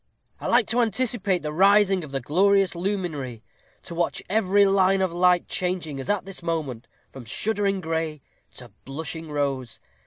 I like to anticipate the rising of the glorious luminary; to watch every line of light changing, as at this moment, from shuddering gray to blushing rose!